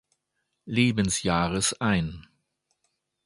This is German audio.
Lebensjahres ein.